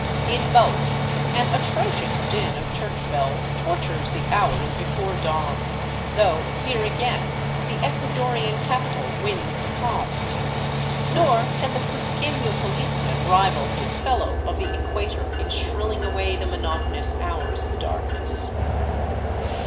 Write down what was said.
In both an atrocious din of church bells tortures the hours before dawn, though here again the Ecuadorian capital wins the palm ; nor can the cuzqueno policeman rival his fellow of the equator in shrilling away the monotonous hours of darkness.